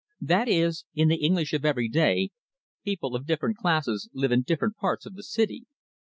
That is, in the English of everyday, people of different classes live in different parts of the city.